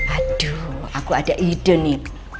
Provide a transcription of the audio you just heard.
aduh aku ada ide nih